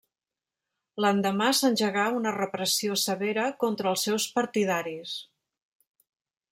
L'endemà s'engegà una repressió severa contra els seus partidaris.